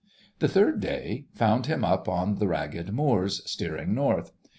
The third day found him up on the ragged moors, steering north.